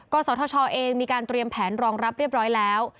ศทชเองมีการเตรียมแผนรองรับเรียบร้อยแล้ว